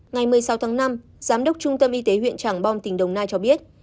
ngày một mươi sáu tháng năm giám đốc trung tâm y tế huyện trảng bom tỉnh đồng nai cho biết